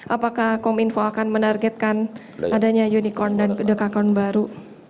apakah kominfo akan menargetkan adanya unicorn dan dekacon baru